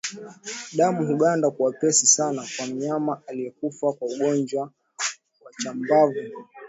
Damu huganda kwa wepesi sana kwa mnyama aliyekufa kwa ugonjwa wa chambavu